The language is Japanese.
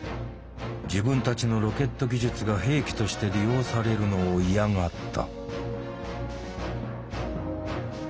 自分たちのロケット技術が兵器として利用されるのを嫌がった。